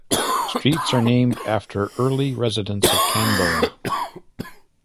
Streets are named after early residents of Canberra.